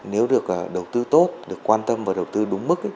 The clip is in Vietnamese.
nếu được đầu tư tốt được quan tâm và đầu tư đúng mức